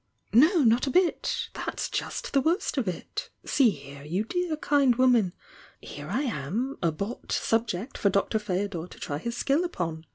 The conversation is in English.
"No, not a bit! That's just the worst of it! See here, you dear, kind woman! — here I am; a bought 'subject' for Dr. Ftodor to try his skill upon.